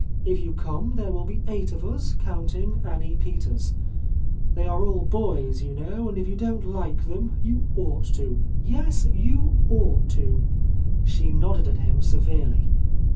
If you come, there will be eight of us, counting Annie Peters. They are all boys you know, and if you don't like them, you ought to I Yes, you ought to !" she nodded at him severely.